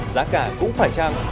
giá cả cũng phải trăm